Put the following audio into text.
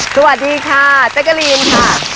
สวัสดีค่ะแจ๊กรีมค่ะ